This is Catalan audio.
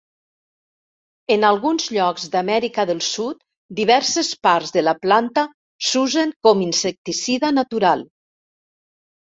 En alguns llocs d'Amèrica del Sud diverses parts de la planta s'usen com insecticida natural.